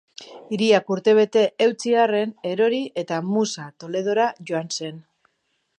Hiriak urtebete eutsi arren, erori eta Musa Toledora joan zen.